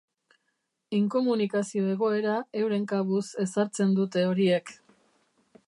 Inkomunikazio egoera euren kabuz ezartzen dute horiek.